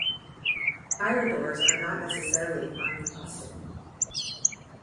Fire doors are not necessarily noncombustible.